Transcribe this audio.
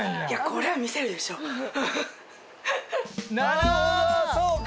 なるほどそうか。